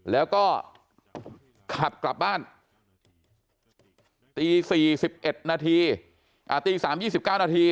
แล้วก็ขับกลับบ้านตีสี่สิบเอ็ดนาทีตีสามยี่สิบเก้านาที